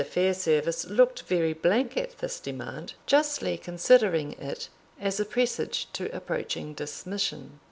Fairservice looked very blank at this demand, justly considering it as a presage to approaching dismission.